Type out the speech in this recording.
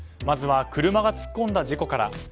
まずは車が突っ込んだ事故から。